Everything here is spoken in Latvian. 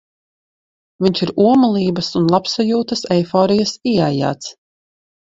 Viņš ir omulības un labsajūtas eiforijas ieaijāts.